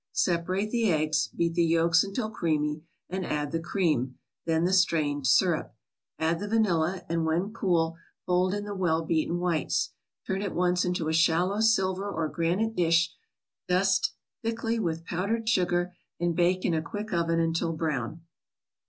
Separate the eggs; beat the yolks until creamy, and add the cream, then the strained syrup. Add the vanilla, and when cool fold in the well beaten whites. Turn at once into a shallow silver or granite dish, dust thickly with powdered sugar and bake in a quick oven until brown.